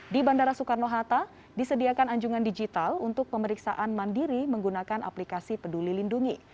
di bandara soekarno hatta disediakan anjungan digital untuk pemeriksaan mandiri menggunakan aplikasi peduli lindungi